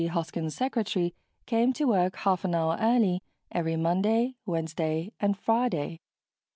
Hoskins' secretary, came to work half an hour early every Monday, Wednesday, and Friday.